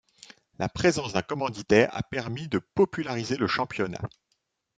La présence d'un commanditaire a permis de populariser le championnat.